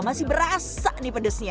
masih berasa nih pedesnya